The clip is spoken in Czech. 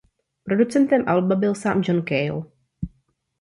Producentem alba byl sám John Cale.